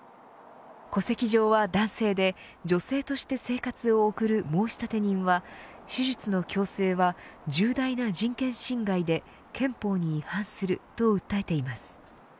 戸籍上は男性で女性として生活を送る申立人は手術の強制は重大な人権侵害で憲法に違反すると訴えています。